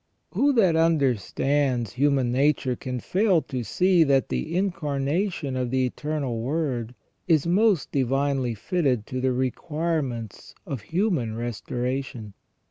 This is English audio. Who that understands human nature can fail to see that the Incarnation of the Eternal Word is most divinely fitted to the requirements of human restoration